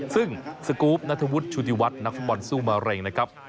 ซึ่งสกูฟณฑวุฒิชุธิวัฒน์นักฝุ่นสู้มะเร็งนะครับ